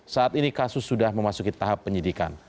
saat ini kasus sudah memasuki tahap penyidikan